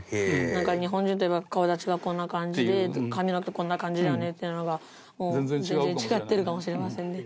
蓮君：日本人といえば顔立ちは、こんな感じで髪の毛、こんな感じだよねっていうのが、もう全然違ってるかもしれませんね。